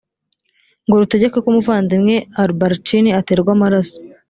ngo rutegeke ko umuvandimwe albarracini aterwa amaraso